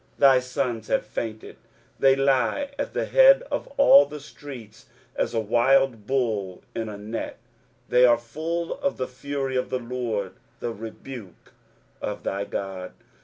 23:051:020 Thy sons have fainted, they lie at the head of all the streets, as a wild bull in a net: they are full of the fury of the LORD, the rebuke of thy God.